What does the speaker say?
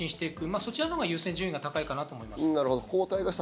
そちらのほうが優先順位が高いと思います。